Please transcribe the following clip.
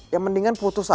ya mendingan putus asa ya